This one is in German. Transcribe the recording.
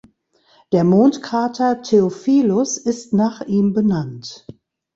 Der Mondkrater Theophilus ist nach ihm benannt.